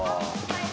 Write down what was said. はい。